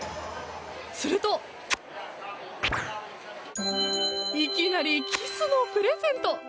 するといきなりキスのプレゼント。